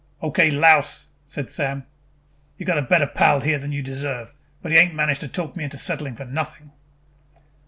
"Okay, louse," said Sam. "You got a better pal here than you deserve, but he ain't managed to talk me into settling for nothing."